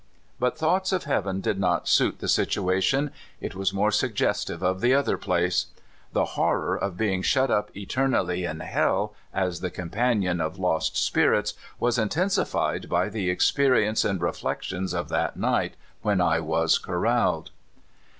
But thoughts of heaven did not suit the situation ; it was more suggestive of the other place. The horror of being shut up eternally in hell as the companion of lost spirits was intensified by the experience and reflections of that night when I was corraled.